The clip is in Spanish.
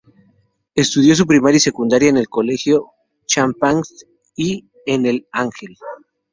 Estudió su primaria y secundaria en el Colegio Champagnat y en El Ángel.